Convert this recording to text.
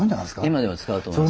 今でも使うと思います。